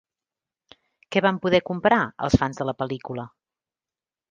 Què van poder comprar els fans de la pel·lícula?